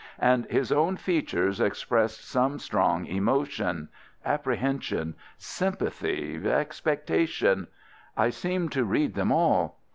And his own features expressed some strong emotion, apprehension, sympathy, expectation: I seemed to read them all.